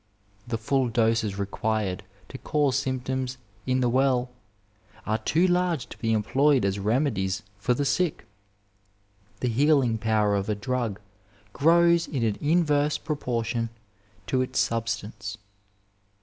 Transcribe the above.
The full doses required to cause symp toms in the well are too large to be employed as remedies for the sick. The healing power of a drug grows in an inverse proportion to its substance.